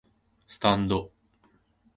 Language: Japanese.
スタンド